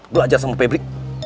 belajar sama febri